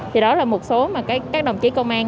thì đó là một số mà các đồng chí công an